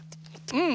うん。